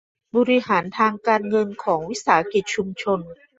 บริการทางการเงินของวิสาหกิจชุมชน